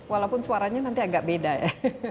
walaupun suaranya nanti agak beda ya